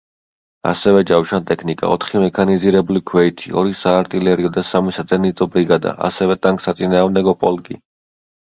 ასევე ჯავშანტექნიკა, ოთხი მექანიზირებული ქვეითი, ორი საარტილერიო და სამი საზენიტო ბრიგადა, ასევე ტანკსაწინააღმდეგო პოლკი.